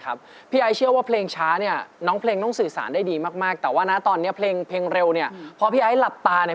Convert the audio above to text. คุณสื่อสารได้ดีมากแต่ว่านะตอนนี้เพลงเพลงเร็วเนี่ยพอพี่ไอซ์หลับตาเนี่ย